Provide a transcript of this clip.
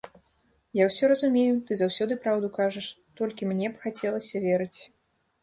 Я ўсё разумею, ты заўсёды праўду кажаш, толькі мне б хацелася верыць.